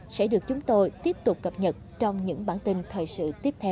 sẽ được chúng tôi tiếp tục cập nhật trong những bản tin thời sự